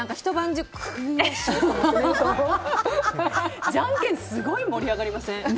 じゃんけんすごい盛り上がりません？